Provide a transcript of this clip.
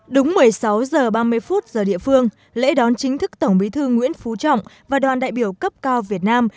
đúng một mươi sáu h ba mươi giờ địa phương lễ đón chính thức tổng bí thư nguyễn phú trọng và đoàn đại biểu cấp cao việt nam